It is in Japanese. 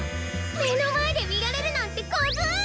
めのまえでみられるなんてコズい！